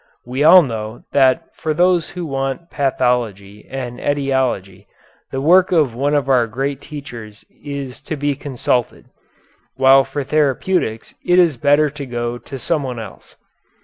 We all know that for those who want pathology and etiology the work of one of our great teachers is to be consulted, while for therapeutics it is better to go to someone else.